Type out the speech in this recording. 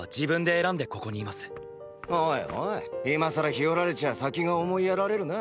おいおい今更ヒヨられちゃあ先が思いやられるな。